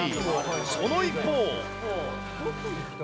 その一方。